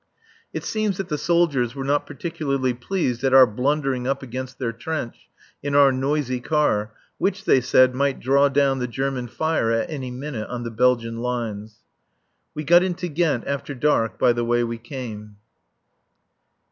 It seems that the soldiers were not particularly pleased at our blundering up against their trench in our noisy car, which, they said, might draw down the German fire at any minute on the Belgian lines. We got into Ghent after dark by the way we came.